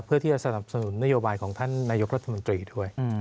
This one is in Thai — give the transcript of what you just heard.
เพื่อที่จะสนับสนุนนโยบายของท่านนายกรัฐมนตรีด้วย